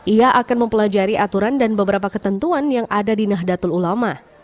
ia akan mempelajari aturan dan beberapa ketentuan yang ada di nahdlatul ulama